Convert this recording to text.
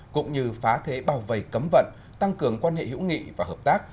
cũng như phá thế bảo vầy cấm vận tăng cường quan hệ hữu nghị và hợp tác